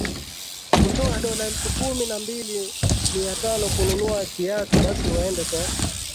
kutoa dola elfu kumi na mbili mia tano kununua kiatu basi waende kwa